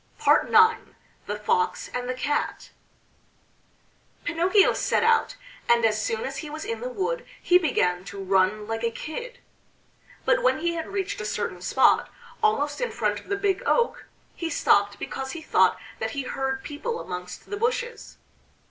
IX THE FOX AND THE CAT Pinocchio set out; and as soon as he was in the wood he began to run like a kid. But when he had reached a certain spot, almost in front of the Big Oak, he stopped because he thought that he heard people amongst the bushes.